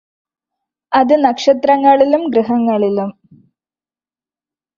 അത് നക്ഷത്രങ്ങളിലും ഗ്രഹങ്ങളിലും